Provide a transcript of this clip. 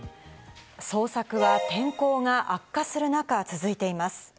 捜索は天候が悪化する中、続いています。